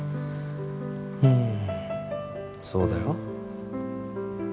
うんそうだよ。